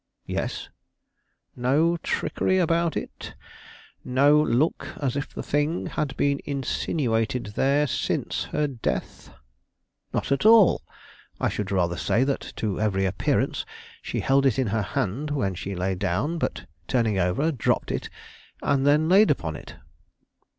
"Yes." "No trickery about it? No look as if the thing had been insinuated there since her death?" "Not at all. I should rather say that to every appearance she held it in her hand when she lay down, but turning over, dropped it and then laid upon it."